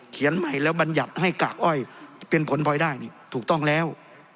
ใหม่แล้วบรรยัติให้กากอ้อยเป็นผลพลอยได้นี่ถูกต้องแล้ว